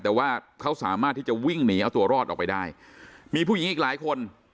แต่ว่าเขาสามารถที่จะวิ่งหนีเอาตัวรอดออกไปได้มีผู้หญิงอีกหลายคน